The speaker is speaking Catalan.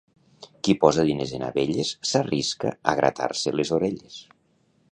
Qui posa diners en abelles s'arrisca a gratar-se les orelles.